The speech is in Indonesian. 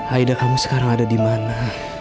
aida kamu sekarang ada di mana